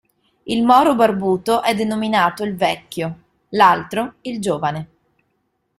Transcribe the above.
Il Moro barbuto è denominato il "vecchio", l'altro il "giovane".